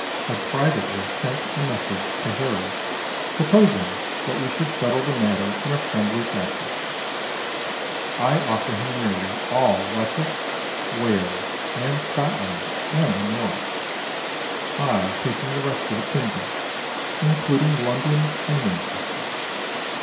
Have privately sent a message to Harold proposing that we should settle the matter in a friendly fashion I offer him nearly all Wessex, Wales and Scotland and the North I taking the rest of the Kingdom, including London and Winchester.